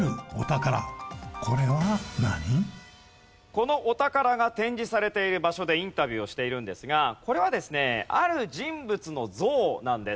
このお宝が展示されている場所でインタビューをしているんですがこれはですねある人物の像なんです。